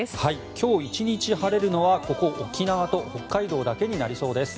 今日１日晴れるのはここ沖縄と北海道だけになりそうです。